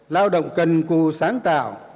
lao động cần cù sáng tạo